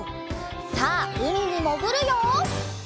さあうみにもぐるよ！